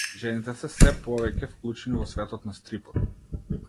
Жените се сѐ повеќе вклучени во светот на стрипот.